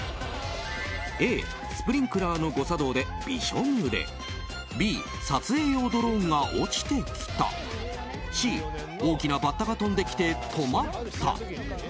Ａ、スプリンクラーの誤作動でびしょぬれＢ、撮影用ドローンが落ちてきたＣ、大きなバッタが飛んできて止まった。